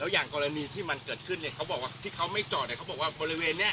อย่างกรณีที่มันเกิดขึ้นเนี่ยเขาบอกว่าที่เขาไม่จอดเนี่ยเขาบอกว่าบริเวณนี้